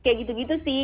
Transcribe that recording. kayak gitu gitu sih